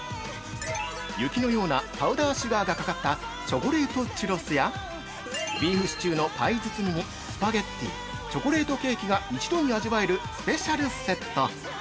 雪のようなパウダーシュガーがかかった「チョコレートチュロス」や、ビーフシチューのパイ包みにスパゲッティ、チョコレートケーキが一度に味わえる「スペシャルセット」。